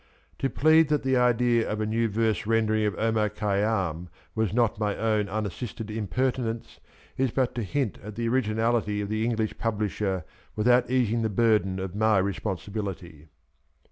"To plead that the idea of a new verse rendering of Omar Khay yam was not my own unassisted impertinence^ is but to hint at the originality of the English publisher ^ without easing the burden of my responsibility.